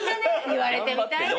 言われてみたいな。